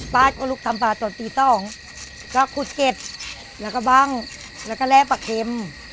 ป๊าก็ลุกทำบ่าตอนตีต้องก็คุดเก็ดแล้วก็บั้งแล้วก็แลปะเข็ม